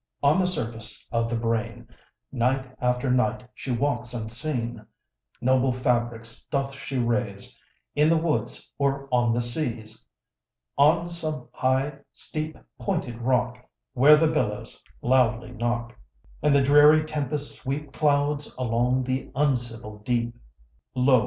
On the surface of the brain Night after night she walks unseen, Noble fabrics doth she raise In the woods or on the seas, On some high, steep, pointed rock, Where the billows loudly knock And the dreary tempests sweep Clouds along the uncivil deep. Lo!